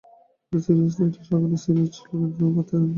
এটা সিরিয়াস এটা সকালে ও সিরিয়াস ছিল কিন্তু তুমি পাত্তাই দাওনি।